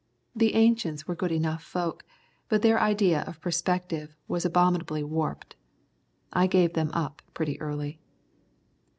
The ancients were good enough folk, but their idea of perspective was abominably warped. I gave them up pretty early.